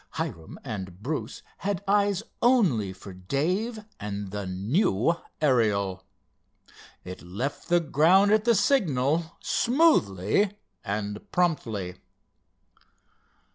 Hiram and Bruce had eyes only for Dave and the new Ariel. It left the ground at the signal, smoothly and promptly.